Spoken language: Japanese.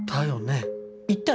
言ったろ？